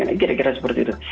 gara gara seperti itu